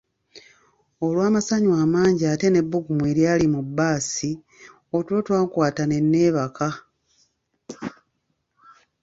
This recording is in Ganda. Olw'amasanyu amangi ate n'ebbugumu eryali mu bbaasi, otulo twankwata ne neebaka.